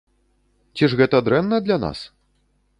Ці ж гэта дрэнна для нас?